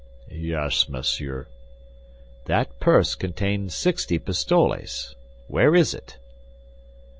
"Yes, monsieur." "That purse contained sixty pistoles; where is it?"